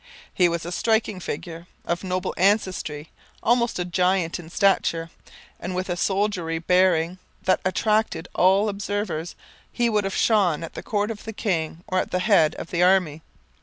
He was a striking figure. Of noble ancestry, almost a giant in stature, and with a soldierly bearing that attracted all observers, he would have shone at the court of the king or at the head of the army.